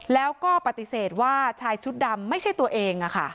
แล้วก็ปฏิเสธว่าชายชุดดำไม่ใช่ตัวเอง